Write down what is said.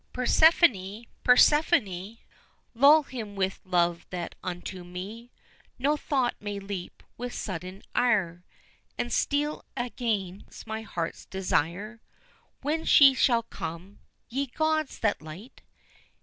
Persephone! Persephone! Lull him with love that unto me No thought may leap with sudden ire, And steal again my heart's desire When she shall come. Ye Gods! that light!